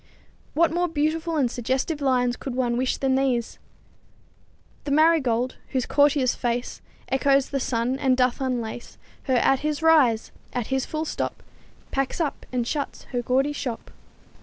What more beautiful and suggestive lines could one wish than these: "The marigold, whose courtier's face Echoes the sun, and doth unlace Her at his rise, at his full stop Packs up and shuts her gaudy shop."